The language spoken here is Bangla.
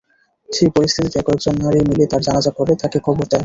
সেই পরিস্থিতিতে কয়েকজন নারী মিলে তার জানাজা পড়ে, তাকে কবর দেয়।